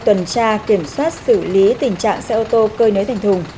tuần tra kiểm soát xử lý tình trạng xe ô tô cơi nới thành thùng